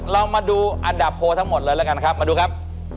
เรามาดูอันดับโพลทั้งหมดเลยแล้วกันครับมาดูครับ